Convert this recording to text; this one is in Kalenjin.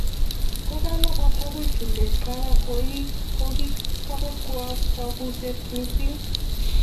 Kokalapat akoi tulweet barak, kokibekwo kapuset missing.